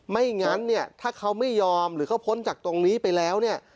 ไม่อย่างนั้นถ้าเขาไม่ยอมหรือเขาพ้นจากตรงนี้ไปแล้ว